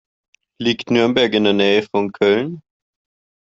Liegt Nürnberg in der Nähe von Köln?